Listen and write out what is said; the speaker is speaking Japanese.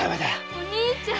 お兄ちゃん。